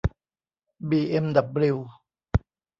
บีเอ็มดับบลิว